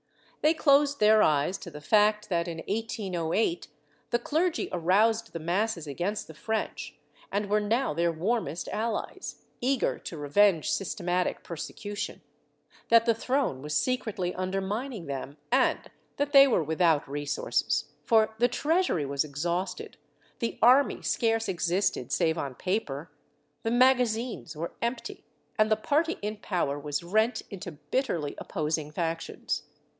They closed their eyes to the fact that, in 1808, the clergy aroused the masses against the French and were now their warmest allies, eager to revenge systematic persecution; that the throne was secretly undermining them, and that they were without resources, for the treasury was exhausted, the army scarce existed save on paper, the magazines were empty, and the party in power was rent into bitterly opposing factions.